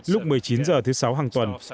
lúc một mươi chín giờ thứ sáu hàng tuần